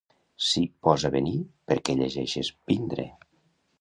Si posa venir, per què llegeixes vindre?